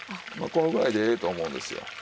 まあこのぐらいでええと思うんですよ。